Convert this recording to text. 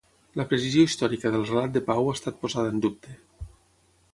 La precisió històrica del relat de Pau ha estat posada en dubte.